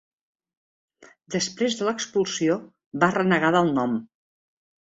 Després de l'expulsió, va renegar del nom.